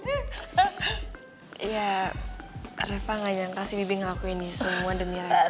iya reva gak nyangka sih bibi ngakuin semua ini demi reva